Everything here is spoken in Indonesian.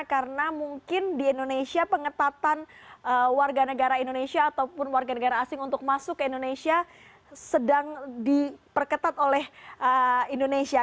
karena mungkin di indonesia pengetatan warga negara indonesia ataupun warga negara asing untuk masuk ke indonesia sedang diperketat oleh indonesia